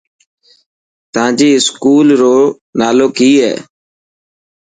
تانجي اسڪوول رو نالو ڪي هي.